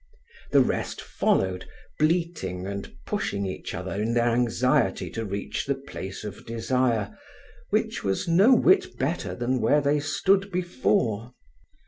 The rest followed, bleating and pushing each other in their anxiety to reach the place of desire, which was no whit better than where they stood before.